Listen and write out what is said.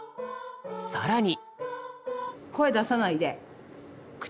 更に。